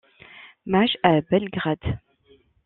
Maj à Belgrade.